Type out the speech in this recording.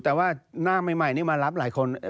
แต่ว่าหน้าใหม่นี่มารับหลายคน